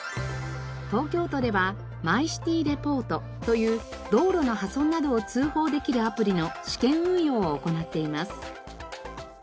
東京都ではＭｙＣｉｔｙＲｅｐｏｒｔという道路の破損などを通報できるアプリの試験運用を行っています。